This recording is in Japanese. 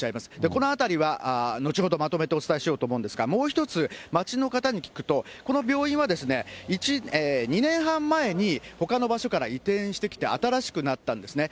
このあたりは後ほどまとめてお伝えしようと思うんですが、もう一つ、町の方に聞くと、この病院はですね、２年半前にほかの場所から移転してきて、新しくなったんですね。